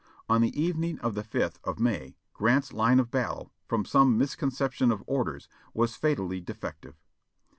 On the evening of the 5th of May Grant's line of battle, from some misconception of orders, was fatally defective.